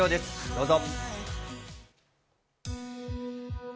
どうぞ。